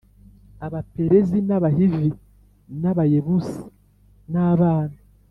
Abaperizi n Abahivi n Abayebusi nabana